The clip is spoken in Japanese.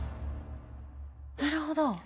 なるほど。